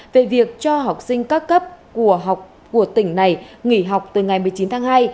về việc cho học sinh các cấp của tỉnh này nghỉ học từ ngày một mươi chín tháng hai